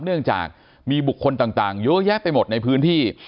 เนื่องจากมีบุคคลต่างเยอะแยะไปหมดในพื้นที่